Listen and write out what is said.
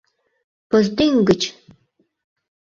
Пыздӱҥ гыч.